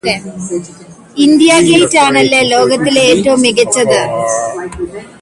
ഇന്ത്യഗേറ്റാണല്ലേ ലോകത്തിലെ ഏറ്റവും മികച്ചത്